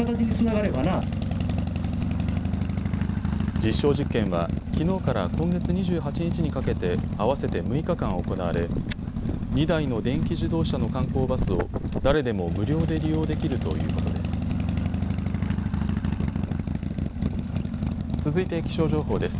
実証実験はきのうから今月２８日にかけて合わせて６日間行われ２台の電気自動車の観光バスを誰でも無料で利用できるということです。